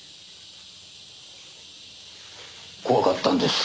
怖かったんです。